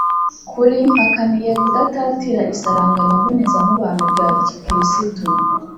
kuri mpakaniye kudatatira isaranganya mbonezamubano rya gikirisitu